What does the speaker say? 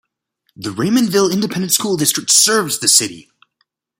The Raymondville Independent School District serves the city.